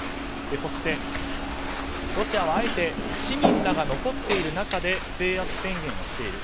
そして、ロシアはあえて市民らが残っている中で制圧宣言をしている。